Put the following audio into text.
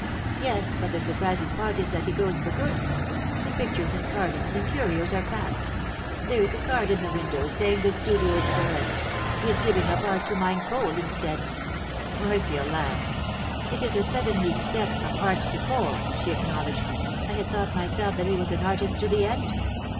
'Yes; but the surprising part is that he goes for good. The pictures and carvings and curios are packed; there is a card in the window saying the studio is for rent—he is giving up art to mine coal instead.' Marcia laughed. 'It is a seven league step from art to coal,' she acknowledged. 'I had thought myself that he was an artist to the end.